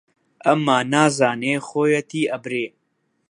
ئەمما نازانێ خۆیەتی ئەبرێ